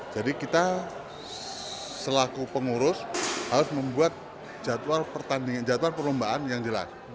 jadi kita selaku pengurus harus membuat jadwal pertandingan jadwal perlombaan yang jelas